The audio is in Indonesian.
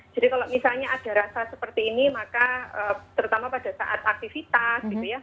jadi kalau misalnya ada rasa seperti ini maka terutama pada saat aktivitas gitu ya